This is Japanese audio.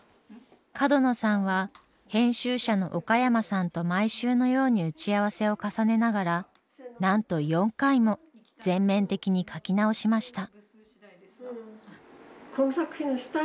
角野さんは編集者の岡山さんと毎週のように打ち合わせを重ねながらなんと４回も全面的に書き直しました。